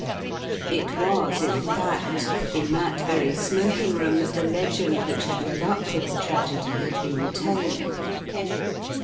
It was, in fact, in that very smoking room that the legend which had led up to the tragedy had been told.